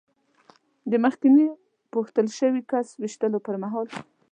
د مخکېني پوښتل شوي کس د وېشتلو پر مهال.